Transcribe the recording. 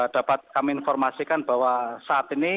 dapat kami informasikan bahwa saat ini